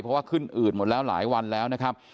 เพราะว่าขึ้นอืดหมดแล้วหลายวันแล้วนะครับ